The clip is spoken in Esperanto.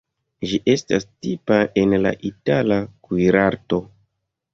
Ĝi estas tipa en la itala kuirarto.